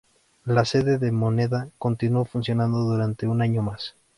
La sede de Moneda continuó funcionando durante un año más.